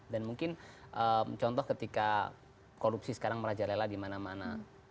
dan mungkin contoh ketika korupsi sekarang merajalela dimana mana